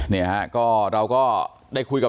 เราก็ได้คุยกับหลายคนแล้วครับ